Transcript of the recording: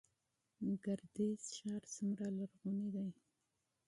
ګردیز ښار څومره لرغونی دی؟